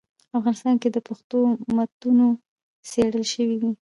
افغانستان کي پښتو متونو څېړل سوي دي.